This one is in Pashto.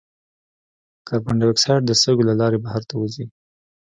کاربن ډای اکساید د سږو له لارې بهر ته وځي.